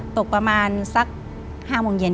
ตกประมาณสัก๕โมงเย็น